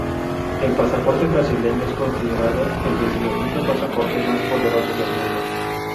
El pasaporte brasileño es considerado el decimoquinto pasaporte más poderoso del mundo.